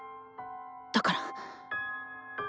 だから。